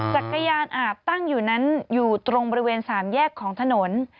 จักรยานอาบตั้งอยู่นั้นอยู่ตรงบริเวณสามแยกของถนน